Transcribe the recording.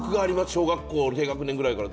小学校の低学年くらいから。